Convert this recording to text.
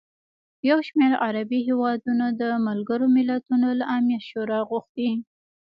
یوشمېر عربي هېوادونو د ملګروملتونو له امنیت شورا غوښتي